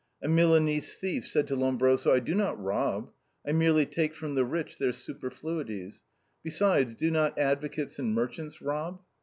A Milanese thief said to Lombroso: "I do not rob, I merely take from the rich their superfluities; besides, do not advocates and merchants rob?"